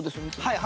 はい。